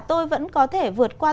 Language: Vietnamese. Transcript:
tôi vẫn có thể vượt qua